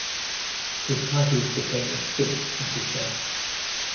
His titles became extinct at his death.